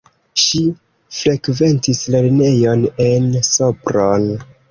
Ŝi frekventis lernejon en Sopron.